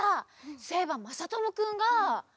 そういえばまさともくんが。